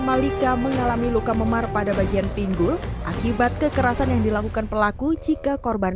malika mengalami luka memar pada bagian pinggul akibat kekerasan yang dilakukan pelaku jika korban